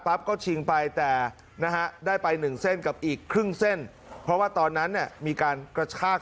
ปั๊บก็ชิงไปแต่นะฮะได้ไป๑เส้นกับอีกครึ่งเส้นเพราะว่าตอนนั้นมีการกระชาก